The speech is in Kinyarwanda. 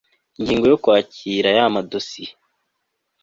ingingo ya kwakira ya ma dosiye